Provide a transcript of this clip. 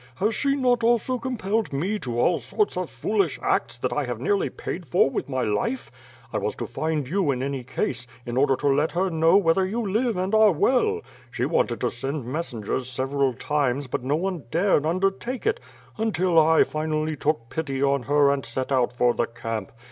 Has she not also compelled me to all sorts of foolish acts that I have nearly paid for with my life. I was to find you in any case, in order to let her know whether you live and are well. She wanted to send messengers several times but no one dared undertake it until I finally took pity on her and set out for the camp.